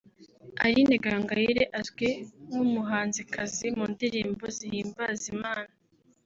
Aline Gahongayire azwi nk’umuhanzikazi mu ndirimbo zihimbaza Imana